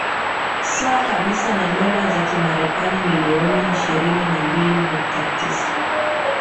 sawa kabisa na dola za kimarekani milioni ishirini na mbili nukta tisa